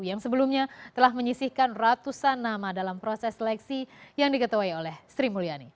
yang sebelumnya telah menyisihkan ratusan nama dalam proses seleksi yang diketuai oleh sri mulyani